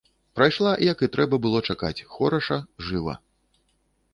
Прайшла, як і трэба было чакаць, хораша, жыва.